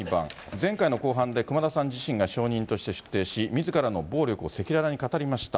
前回の公判で熊田さん自身が証人として出廷し、みずからの暴力を赤裸々に語りました。